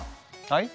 はい。